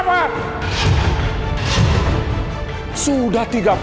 maksud kalian apa